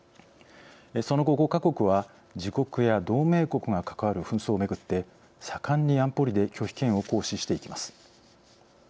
その後、５か国は自国や同盟国が関わる紛争をめぐって、盛んに安保理で拒否権を行使していきます。